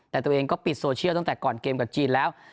แต่ตัวเองก็ปิดโซเชียลตั้งแต่ก่อนเกมกับจีนแล้ว